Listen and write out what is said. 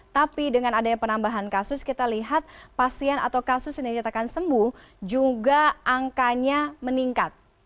tapi dengan adanya penambahan kasus kita lihat pasien atau kasus yang dinyatakan sembuh juga angkanya meningkat